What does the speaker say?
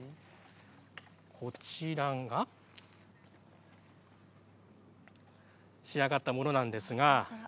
こちらが仕上がったものです。